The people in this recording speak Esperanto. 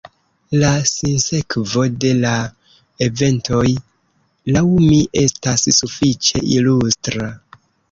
La sinsekvo de la eventoj, laŭ mi, estas sufiĉe ilustra.